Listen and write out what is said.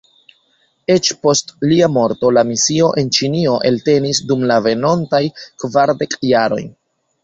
Eĉ post lia morto, la misio en Ĉinio eltenis dum la venontaj kvardek jaroj.